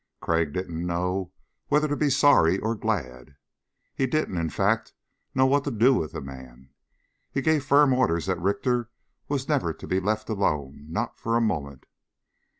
Crag didn't know whether to be sorry or glad, he didn't, in fact, know what to do with the man. He gave firm orders that Richter was never to be left alone not for a moment.